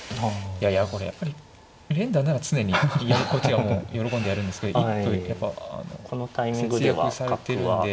いやいやこれやっぱり連打なら常にこっちがもう喜んでやるんですけど一歩やっぱ節約されてるんで。